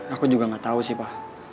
aku juga gak tau sih pa